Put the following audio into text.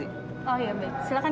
iya pernah bekerja di mana mana